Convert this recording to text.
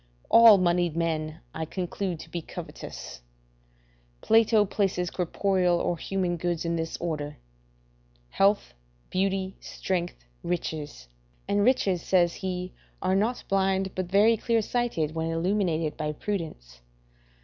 All moneyed men I conclude to be covetous. Plato places corporal or human goods in this order: health, beauty, strength, riches; and riches, says he, are not blind, but very clear sighted, when illuminated by prudence.